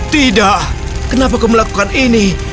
tidak kenapa kau melakukan ini